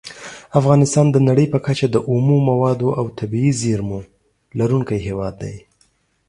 افغانستان د نړۍ په کچه د اومو موادو او طبیعي زېرمو لرونکی هیواد دی.